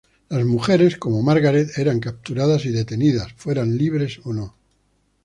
Las mujeres como Margaret eran capturadas y detenidas fueran libres o no.